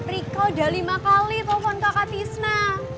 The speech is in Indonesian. rika udah lima kali telepon kakak tisna